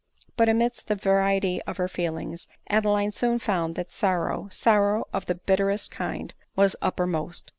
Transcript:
But, amidst the variety of her feelings, Adeline soon found that sorrow, sorrow of the bitterest kind, was up permost.